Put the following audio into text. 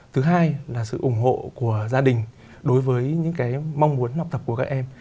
thứ hai là sự ủng hộ của gia đình đối với những cái mong muốn học tập của các em